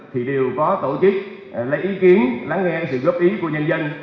thì đều có tổ chức lấy ý kiến lắng nghe sự góp ý của nhân dân